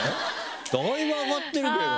だいぶ上がってるけど。